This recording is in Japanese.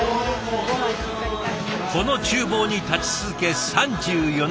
この厨房に立ち続け３４年。